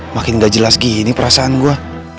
makin nggak jelas gini perasaan gue